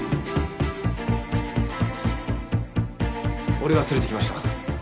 俺が連れてきました。